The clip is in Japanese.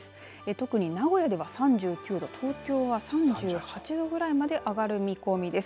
特に名古屋では３９度東京は３８度ぐらいまで上がる見込みです。